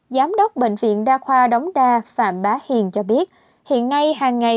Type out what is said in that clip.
giám đốc bệnh viện đa khoa đống đa phạm bá hiền cho biết hiện nay hàng ngày